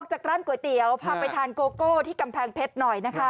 จากร้านก๋วยเตี๋ยวพาไปทานโกโก้ที่กำแพงเพชรหน่อยนะคะ